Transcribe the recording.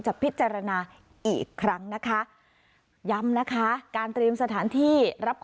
พิจารณาอีกครั้งนะคะย้ำนะคะการเตรียมสถานที่รับ